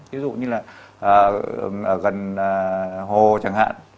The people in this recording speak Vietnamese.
ví dụ như là gần hồ chẳng hạn